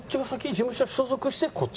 事務所所属してこっち？